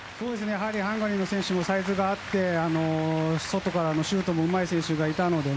ハンガリーの選手もサイズがあって外からのシュートもうまい選手がいたので。